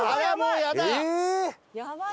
やばい！